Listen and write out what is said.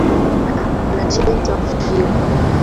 Anacheza mpira